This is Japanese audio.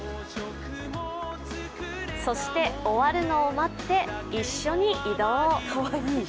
そして終わるのを待って一緒に移動。